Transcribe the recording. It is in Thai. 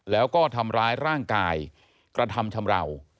แล้วก็ทำร้ายร่างกายกระทำชำราว